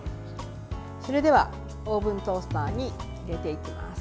それではオーブントースターに入れていきます。